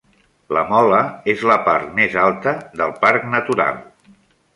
La Mola és la part més alta del Parc Natural.